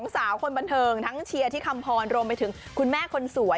สาวคนบันเทิงทั้งเชียร์ที่คำพรรวมไปถึงคุณแม่คนสวย